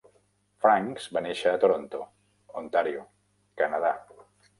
Francks va néixer a Toronto, Ontario, Canadà.